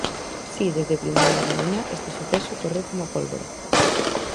Si, desde primeira hora da mañá este suceso correu como a pólvora...